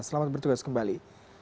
selamat bertugas kembali